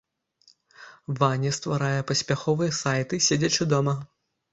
Ваня стварае паспяховыя сайты, седзячы дома.